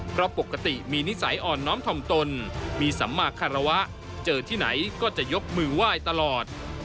เพราะปกติมีนิสัยอ่อนน้อมถ่อมตนมีสัมมาคารวะเจอที่ไหนก็จะยกมือไหว้ตลอด